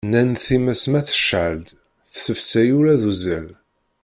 Nnan times ma tecɛel-d, tessefsay ula d uzzal.